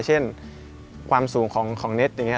เช่นความสูงของเน็ตอย่างนี้